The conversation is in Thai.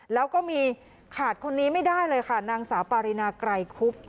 แล้วก็มีขาดคนนี้ไม่ได้เลยค่ะนางสาวปารินาไกรคุบ